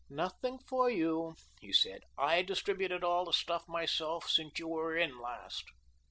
"Nothing for you," he said. "I distributed all the stuff myself since you were in last."